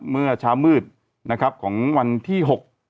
เมื่อเช้ามืดนะครับของวันที่๖